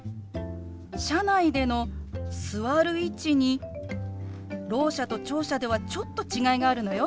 車内での座る位置にろう者と聴者ではちょっと違いがあるのよ。